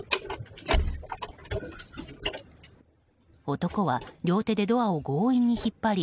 男は両手でドアを強引に引っ張り